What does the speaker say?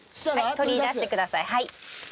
取り出してください。